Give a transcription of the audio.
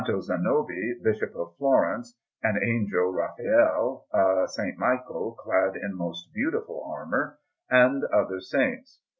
Zanobi, Bishop of Florence; an Angel Raphael; a S. Michael, clad in most beautiful armour; and other saints.